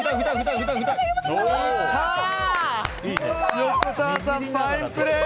横澤さん、ファインプレー！